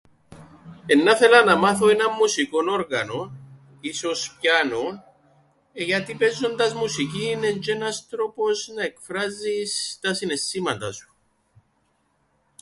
Εννά 'θελα να μάθω έναν μουσικόν όργανον, ίσως πιάνον, γιατί παίζοντας μουσικήν εν' τζ̆ι ένας τρόπος να εκφράζεις τα συναισθήματα σου.